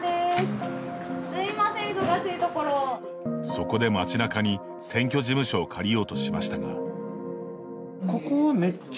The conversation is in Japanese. そこで、街なかに選挙事務所を借りようとしましたが。